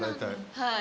はい。